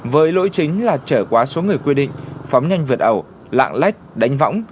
với lỗi chính là trở quá số người quy định phóng nhanh vượt ẩu lạng lách đánh võng